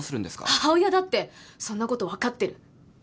母親だってそんなこと分かってる。